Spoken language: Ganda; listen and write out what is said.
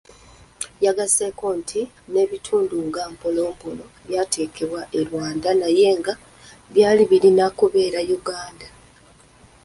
Yagasseeko nti n'ebitundu nga Mpororo byateekebwa e Rwanda naye nga byali birina kubeera Uganda.